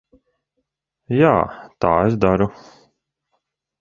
Jā, tā es daru.